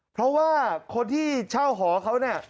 เพราะว่าคนที่เช่าหอเขาเนี่ย